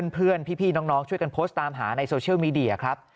พี่น้องช่วยกันโพสต์ตามหาในโซเชียลมีเดียครับ